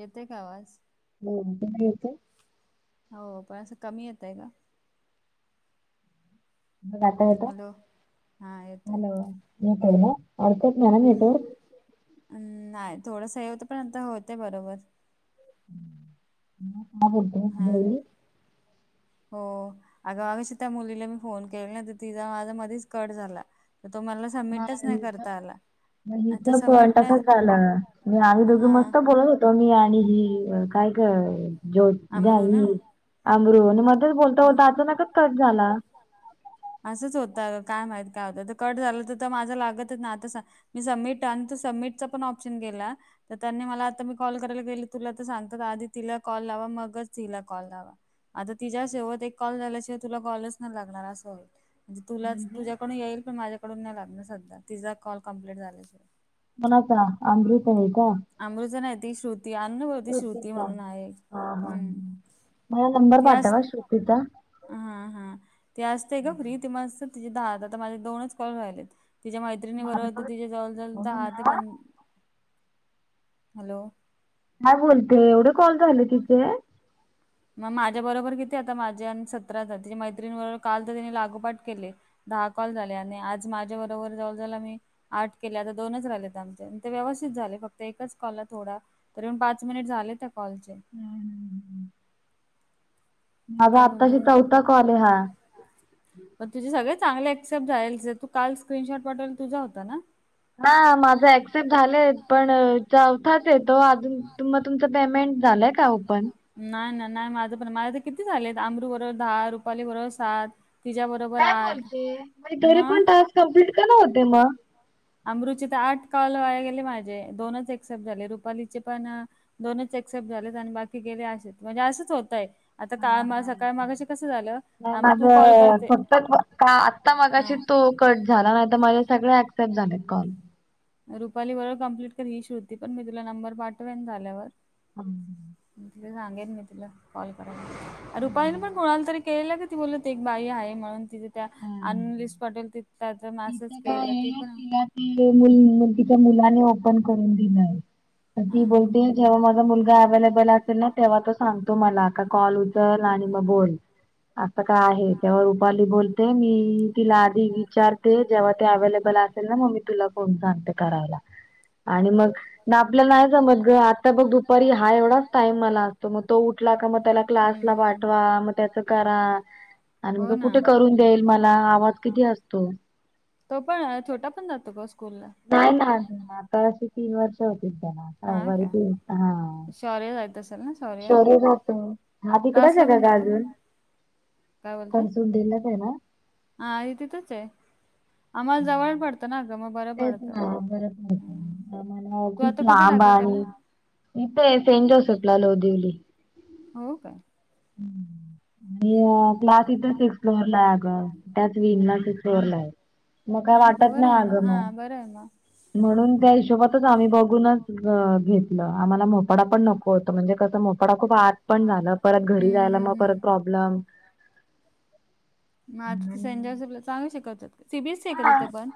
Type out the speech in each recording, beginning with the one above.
येतोय का आवाज? [unintelligible] हो का? असं कमी येतय का? बघ, आता येतोय? हॅलो, [unintelligible] अडकत नाही ना नेटवर्क? नाही थोडंस हे होतं पण आता होते बरोबर [unintelligible] हो अगं मागशी त्या मुलीला मी फोन केलेला, तर तीजा माझा मधीच कट झाला तर तो मला सबमिटच नाही करता आला. [unintelligible] आम्ही दोघी मस्त बोलत होते. पमी आणि ही काय ग जोत झाली अमरो मध्येच बोलता बोलता अचानकच कट झाला असंच होतं काय माहीत काय होतं तर कट झालं तर तर माझा लागतच ना आता सं मी सबमिट आणि तो सबमिटचा पण ऑप्शन गेला तर त्यांनी मला आता मी कॉल करायला गेले तुला तर सांगतात आधी तिला कॉल लावा मगच हिला कॉल लावा आता तिच्या शेवत एक कॉल झाल्याशिवाय तुला कॉलच नाय लागणार असं होईल तुलाच तुझ्याकडून येईल पण माझ्याकडून नाही लागणार सध्या तिजा कॉल कम्प्लीट झाल्याशिवाय. [unintelligible] अमृत आहे का? अमृता नाही ती श्रुती [unintelligible] ती श्रुती म्हणून आहे हा हा, मला नंबर पाठव हा श्रुतीचा. हा हा. ती असते ग फ्री ते मग असत ति दहा आता तर माझे दोनच कॉल राहिलेत तिच्या माहि मैत्रिणी बरोबर तर तिचे जवलजवल दहा ते पंध, हॅलो काय बोलते एवढे कॉल झाले तिचे. म माझ्या बरोबर किती आता माझ्या आणि सतरा झाले, तिच्या मैत्रिणी बरोबर काल तर तिने लागूपाठ केले. दहा कॉल झाले. आणि आज माझ्या बरोबर जवल जवल आम्ही आठ केले आता दोनच रालेत आमचे आणि ते व्यवस्थित झाले, फक्त एकच कॉलला थोडा तरी पण पाच मिनिट झाले त्या कॉलचे अगं आत्ताशी चौथा कॉल आहे हा. पण तुझे सगळे चांगले एक्सपेक्ट झालेलेच आहे, तू काल स्क्रीनशॉट पाठवला तुझा होता ना. हा माझं ऍक्सेप्ट झालेय पण चौथात येतो अजून तुम्हा मग तुमच पेमेंट झालंय ता ओपन नाही ना नाय माझं पण माझ तर किती झाले आहेत. आमबरू बरोबर दहा, रुपाली बरोबर सात तिच्या बरोबर आठ म कम्प्लीट का नाय होते मग अमरुची तर आठ कॉल वाया गेले माझे दोनच एक्सेप्ट झाले, रुपालीचे पण दोनच एक्सेप्ट झालेत आणि बाकी गेले असेच म्हणजे असंच होतं आहे हा हा म माझ फक्त आता मगाशी तू कट झाला नाही तर माझे सगळे ऍक्सेप्ट झालेत कॉल. रुपाली बरोबर कंप्लीट कर ही श्रुती पण मी तुला नंबर पाठवेन झाल्यावर हा. म्हटलं सांगेन मी तिला कॉल करायला. रुपाली पण कोणाला तरी केलेला ना ती बोलत होती एक बाई आहे म्हणून तिथ त्या अन लिस्ट पटेल ति त्याचं मॅसेज केलं ती पण [unintelligible] तिच्या मुलाने ओपन करून दिलंय ती बोलते जेव्हा माझा मुलगा अव्हेलेबल असेल ना तेव्हा तो सांग तो मला का कॉल उचल आणि मग बोल अस काय आहे त्यावर रुपाली बोल ते मी तिला आधी विचारते जेव्हा ते अव्हेलेबल असेल ना मग मी तुला फोन सांगते करायला आणि मग ना आपल्याला नाही जमत ग आता बघ दुपारी हा एवढाच टाईम मला असतो मग तो उठला का मग त्याला क्लास पाठवा, मग त्याच करा आणि मग तो कुठे करून तेल मला आवाज किती असतो? तो पण हाय छोटा पण जातो का स्कूलला? नाही ना आता अशी तीन वर्ष होत [inaudible] हां तिकडच हाय का ग अजून पनसुंनढीलाचहायं ना! आहे तिथच आहे, आम्हाला जवळ पडतं ना. तेच ना बरच माहीती [unintelligible] त्या मला खूप लांब आणि इथे सेंट जोसेफला लोदवली हों का! मो क्लास इथं सिक्स फ्लोअर ला गं. त्यात विमला सिक्स फ्लोअरलायं मग काय वाटत नाय आगं मग. म्हणून त्या हिशोबातच आम्ही बघूनच घ घेतलं आम्हाला मो मोपाडा पण नको होत, म्हणजे कसं मोपाडा खूप आत पण झालं परत घरी जायला मग परत प्रॉब्लम म आता ती सेंट जोसेफला चांगल शिकवत्यातकी सी बी एस सी हाय खर तिथ पण.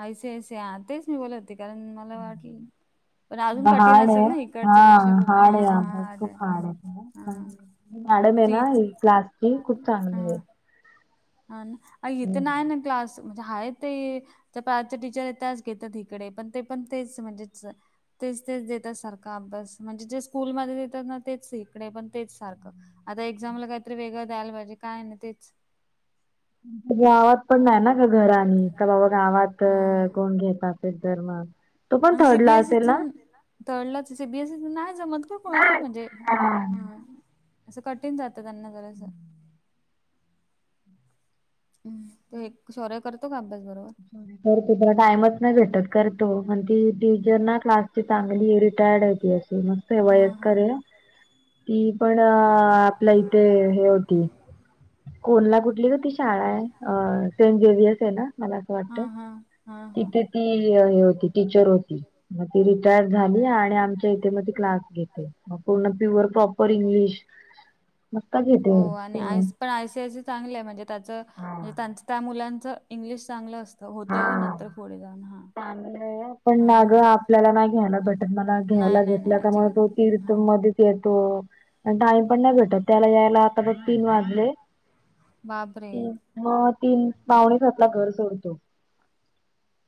I C I C I आं तेच मी बोलत होते कारण मला वाटल हार्डयं हां हार्डयं आभ्यास खूप हार्डयं. म‌ॅडमये नां क्लासची खूप चागलीयं. अन् अय् इथे नायीना क्लास च म्हणजे हाय ते त्या पार्थ च्या टीचरयं त्याच घेतात इकडे पण ते पण तेच म्हणजेच तेच तेच देतात सारखा अभ्यास म्हणजे जे स्कूलमध्ये देतात ना, तेच इकडे पण तेच सारखं आता एक्झामला काहीतरी वेगळं द्यायला पाहिजे काय नाय तेच. गावात पण नाय ना का घर आम्ही तर बाबा गावात कोण घेतात. ते तर मग! तो पण थर्ड ला असेल ना? थर्ड लाचंय तर सी बी एस ईच नाय जमत का कोणाला म्हणजे आं असं कठीण जातं त्यांना जरासं हं तो एक शौर्य कर होतो का आभ्यास बरोबर? [unintelligible] करतो त्याला टाइमच नाही भेटत करतो पण ती टीचर ना क्लासची चांगली रिटायर्ड होती अशी नां. ते वयस्करयं ती पण आपल्या इथे हे होती कोणला कुठली तर ती शाळायं अं सेंट झेवयर्सयंना ना मला वाटतं तिथे ती हे होती टीचर होती. मग ती रिटायर झाली आणि आमच्या इथे मग ती क्लास घेते मग पूर्ण पिवर प्रॉपर इंग्लिश मस्त घेते हो. चांगलंय म्हणजे त्याच म्हणजे त्याचं त्या मुलांचं इंग्लिश चांगलं अस होतं ओ नंतर पुढे जाऊन हां. पण ना अगं आपल्याला नाय घ्यायला भेटत मला घ्यायला घेतला त्यामुळे तो तीर्थ मध्ये येतो आणि टाईम पण नाही भेटत त्याला यायला आता बघ तीन वाजले हुं मग तीन पावणेसात ला घर सोडतो.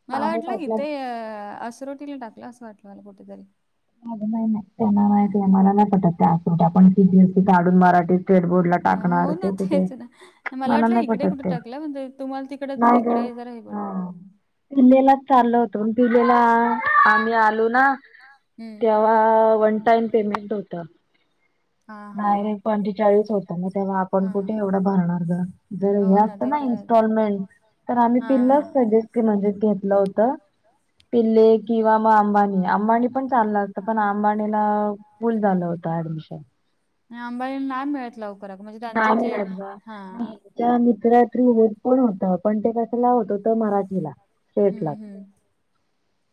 मला वाटलं इथे आसं असरोटीला टाकलं असं वाटलं मला कुठेतरी. आगं नाय नाय त्यांना वयाशिवाय मला नाही पटत त्या आकृत्या पण कितीअस ते काढून मराठी स्टेटबोर्ड ला टाकणार ते कुठे मला नाही पटत ते नाही ग, हा. मे, लाच चाललो होतो आणि जुलैला आम्ही आलो ना. हम्. तेव्हा वन टाइम पेमेंट होतं. नाही पंचेचाळीस होतं, म तेव्हा आपण कुठे एवढं भरणार एवढा जास्त नाही. कारण नाही, तर आम्ही तिलाच सजेस्ट म्हणजे घेतलं होतं. पिल्ले किंवा म आंबानी, आंबानी पण चाललं असतं, पण आंबानीला फुल्ल झालं होतं ऍडमिशन. आणि अंबानीला नाही मिळत लवकर. नाही मिळत गं, ह्यांच्या मित्र आहेत. थ्रू होतं, पण होतं पण ते कशाला होत होतं, मराठीला स्टेटलाच.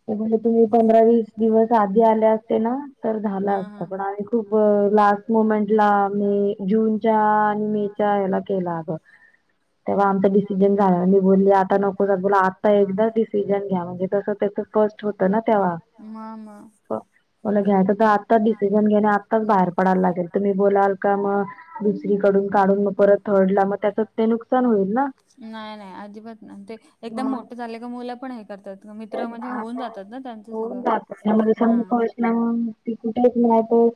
ते म्हणाले तुम्ही पंधरा वीस दिवस आधी आले असते ना तर झालं असत, पण आम्ही खूप लास्ट म म्हटला मे, जूनच्या आणि मे च्या ह्याला केला अगं. तेव्हा आमचा डिसिजन झाला नाही, मी बोलली आता नको स बोला आता एकदा डिसिजन घ्या म्हणजे तसं त्याचं फर्स्ट होत ना तेव्हा हा, मं म्हणलं घ्यायचं तर आत्ताच डिसिजन घेणे आत्ताच बाहेर पडायला लागेल, तुम्ही बोलाल का मग. नाही, नाही अजिबात नाही. आणि ते एकदम मोठे झाले का मुलं पण हे करतात, मित्र म्हणजे होऊन जातात. [unintelligible] कुठंच नाही तर,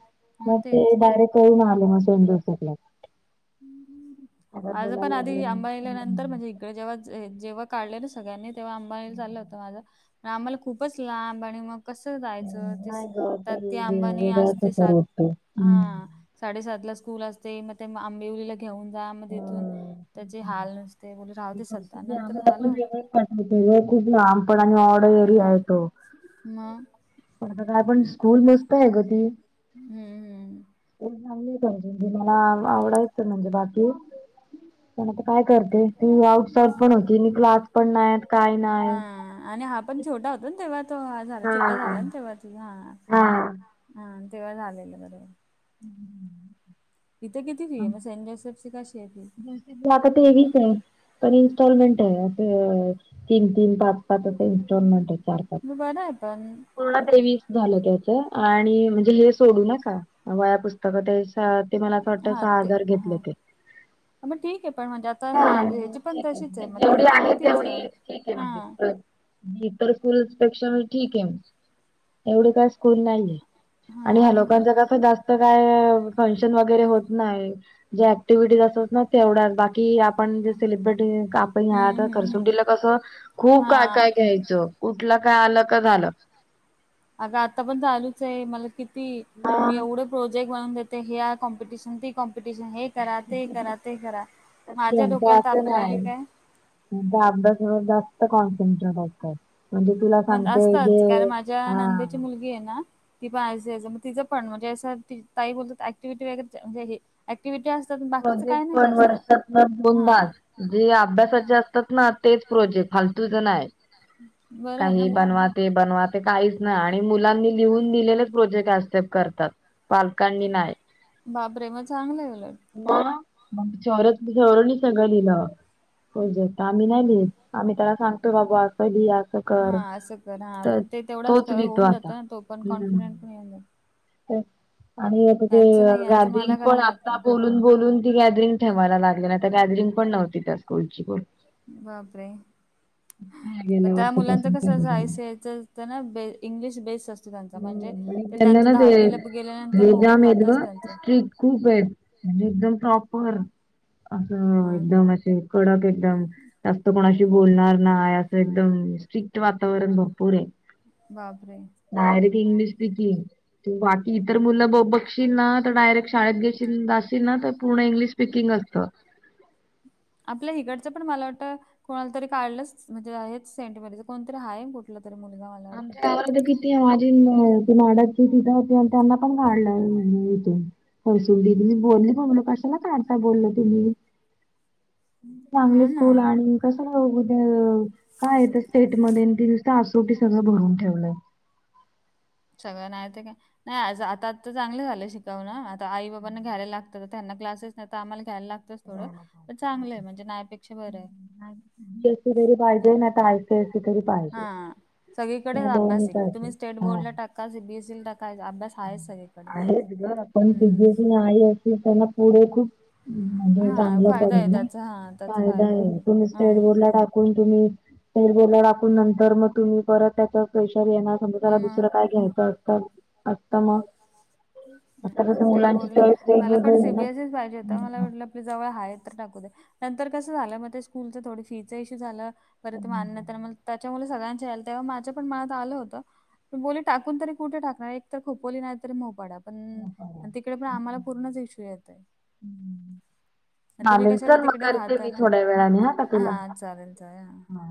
मग ते डायरेक्ट करून आले मग सेंट जोसेफसला. हुं, हूं, हूं माझं पण आधी अंबानीला नंतर म्हणजे इकडे जेव्हा जेव्हा काढले ना सगळ्यांनी तेव्हा आंबानी चाललं होतं माझं, पण आम्हाला खूपच लांब आणि मग कसं जायचं, तेस आता आंबानी असते सात हा साडेसातला स्कूल असते मग ते आंबे उलीला घेऊन जा, मग इथून त्याचे हाल नसते, बोले राहते सध्या नंतर झालो. धुळे खूप लांब पण आणि ऑड एरिया आहे तो. म. आता काय आपण, स्कूल मस्त आहे ग ती. [unintelligible] काय करते ती आउटसाइड पण होती, आणि क्लास पण नाही काय नाही. पण छोटा होता ना तेव्हा तो झाला, छोटा झाला ना तेव्हा ते हा. हा, तेव्हा झालेलं बरोबर. [unintelligible] इथे किती फी आहे? मग सेंट जोसेफची कशी आहे फी? इथण आता तेवीस आहेतं. पण इन्स्टॉलमेंट आहे, अस तीन-तीन, पाच-पाच असं इन्स्टॉलमेंट आहे चार- पाच. गाणं आहे पण. पूर्ण तेवीस झालं त्याच आणि म्हणजे हे सोडून का वयापुस्तक आता का, ते का ते मला असं वाटतं, सहा आजार घेतले ते. हा, ठीक आहे. जेवढी आहे तेवढी ठीक आहे म्हणजे तर, इतर स्कूलपेक्षा ठीक हाय. एवढी काय स्कूल नाहीये आणि ह्या लोकांचा कस जास्त काय फंक्शन वगैरे होत नाही, जे ऍक्टिव्हटीज असतात ना तेवढ, बाकी कि आपण जे सेलिब्रेटी काप पण ह आता खरसुंडीला कसं खूप काय -काय घ्यायचं कुठलं काय आलं का झालं. अगं आता पण चालूच आहे मला किती मी एवढं. प्रोजेक्ट बनवून देते हया कॉम्पिटिशन ती कॉम्पिटिशन. कॉम्पिटिशन हे करा - ते करा - ते करा माझ्या डोक्याला ताप बाकी काय? म्हणजे अभ्यास सोडून जास्त कामं तुमच्या डोक्याला. असतच कारण माझ्या नांदेची मुलगी आहे ना - ती पणय मग तिचं पण असं बोलत एक्टिव्हिटी वगैरे हे. ऍक्टिव्हटी असतात बाकीच काही नाही जास्त हा. जे अभ्यासाचे असतात ना तेचं प्रोजेक्ट फालतूचं नाय. नाय ह. काही बनवा? ते बनवा ते काहीच नाही आणि मुलांनी लिहून लिहिलेच दिलेलं प्रोजेक्ट ऍक्सेप्ट करतात. पालकांनी नाही. बापरे चांगलं उलटं. मग झोहृत गौरव नी सगळं लिहलं. हो प्रोजेक्ट आम्ही नाही लिहतं आम्ही त्याला सांगतो बाबा असं लिही असं - हा असं कर हा पण ते तेवढाच होऊन जातो ना तो पण कॉन्फिडेंट नाही. आणि ते गॅदरिंग पण - बोलून ते ती गॅदरिंग ठेवायला लागले नाही गॅदरिंग पण नव्हती त्या स्कूलची. बापरे! तर त्या मुलांच कस आय सी आय चं - त्यांना इंग्लिश बेस् असत - त्यांना ना ते हे जाम आहेत ग स्ट्रिक खूप आहेतं. म्हणजे एकदम प्रॉपर असं एकदम असे कडक एकदम. जास्त कोणाशी बोलणार नाही असं एकदम स्ट्रिक्ट वातावरण भरपूर हे. बापरे! डयरेक्ट इंग्लिश स्पीकिंग तू वाट- इतर मुलं ब बघशील ना तर डायरेक्ट शाळेत घेशील असशील ना तर पूर्ण इंग्लिश स्पीिकिंग असतं. आपल्या हिकडचं पण मला वाटतं - कोणाला तरी काढलंच म्हणजे हे सेंटमट कोणतरी आहे कुठला तरी मुलगा. आमच्या गावाला तर कित - माझी त माडकची तिथं होती आणि त्यांना पण काढलं इथून. हो सुली तुम्ही बोलली कोगल कशाला काढता बोलल तुम्ही [inaudible] चांगले स्कूल आणि कशाला उद - काय आहे ते स्टेटमध्ये ती सासुशीट. हम्म. सगळं नाही ते काय. नाही आता आ तर चांगले झालं शिकवणं आता आई बाबांना घ्यायला लागतं तर त्यांना क्लासेस नाही तर आम्हाला घ्यायला लागत. थोडं तर चांगलं आहे म्हणजे नाय पेक्षा बरं हे. हा सगळीकडे अभ्यासहे तुम्ही स्टेट बोर्डला टाक - का सी बी एस ला काय अभ्यास- आहेत ग आपण तुझी अस आई असे त्यांना पुढे खूप - चांगलं पडेल ना फायदा आहे तुम्ही स्टेटबोर्डला टाका. कोण तुम्ही स्टेट बोर्ड टाकून नंतर मग तुम्ही परत त्याचा प्रेशर येणार. समजा त्याला दुसरं काय घ्यायचं असतं - असतं मग. स्टेट बोर्डला मला पण सी बी एस ई पाहिजे होता मला वाटल - जवळ आहे तर टाकू दे नंतर कसं झालं मग ते स्कूलच थोड फीचा इशू झालं. परत मागन तर मग त्याच्यामुळेच सगळ्याच्या हेला तवा माझ्या पण मनात आलं होत पण बोली टाकुन तरी कुठं टाकणार एकतर खुप पोली नाहीतर मोपाडा पण तिकडे पण आम्हाला पूर्णच इश्यू येतय. अन् तुम्ही कशा तिकडे राहता ना हा चालेल चालेल.